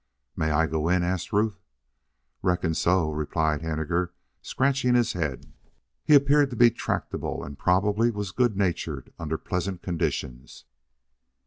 "May I go in?" asked Ruth. "Reckon so," replied Henninger, scratching his head. He appeared to be tractable, and probably was good natured under pleasant conditions.